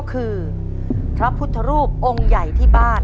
คือพระพุทธรูปองค์ใหญ่ที่บ้าน